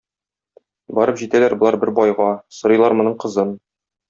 Барып җитәләр болар бер байга, сорыйлар моның кызын.